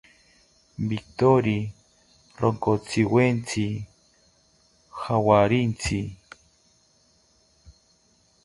Victori ronkotziwetzi jawarintzi